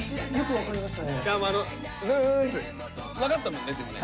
分かったもんねでもね。